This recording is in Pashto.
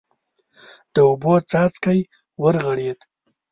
د اوبو څاڅکی ورغړېد.